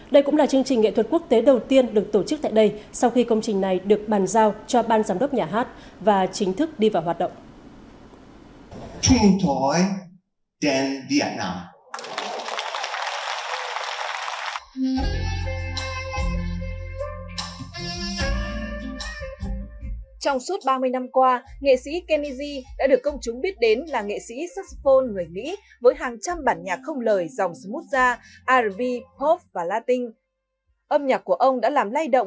đây cũng là chương trình nghệ thuật quốc tế đầu tiên được tổ chức tại đây